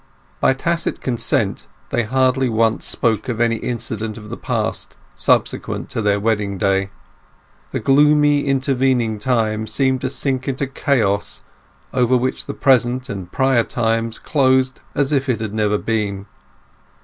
By tacit consent they hardly once spoke of any incident of the past subsequent to their wedding day. The gloomy intervening time seemed to sink into chaos, over which the present and prior times closed as if it never had been.